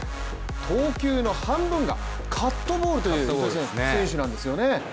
投球の半分がカットボールという選手なんですよね。